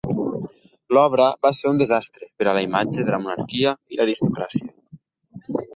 L'obra va ser un desastre per a la imatge de la monarquia i l'aristocràcia.